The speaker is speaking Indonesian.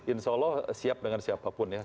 insya allah siap dengan siapapun ya